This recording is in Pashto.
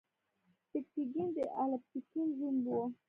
سبکتګین د الپتکین زوم و.